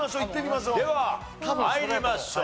では参りましょう。